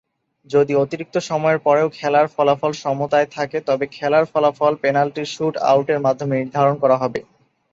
যদি অতিরিক্ত সময়ের পরেও খেলার ফলাফল সমতায় থাকে, তবে খেলার ফলাফল পেনাল্টি শুট-আউটের মাধ্যমে নির্ধারণ করা হবে।